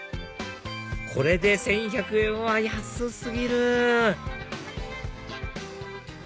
これで１１００円は安過ぎる！